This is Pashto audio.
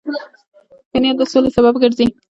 ښه نیت د سولې سبب ګرځي.